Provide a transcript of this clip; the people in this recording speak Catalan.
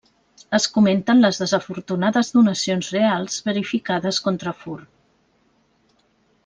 Es comenten les desafortunades donacions reals verificades contrafur.